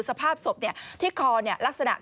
สภาพศพที่คอลักษณะ